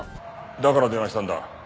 だから電話したんだ。